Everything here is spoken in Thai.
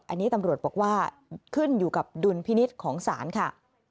อันนี้ตำรวจบอกว่าขึ้นอยู่กับดุลพินิษฐ์ของศาลค่ะ